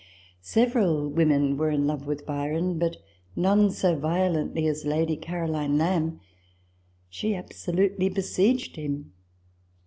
Several women were in love with Byron, but none so violently as Lady Caroline Lamb. She absolutely besieged him.